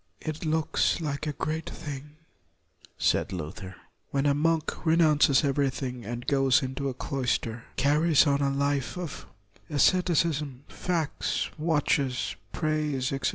" It looks like a great thing,' 1 said Luther, " when a monk renounces everything and goes into a cloister, carries on a life of asceti cism, fasts, watches, prays, etc.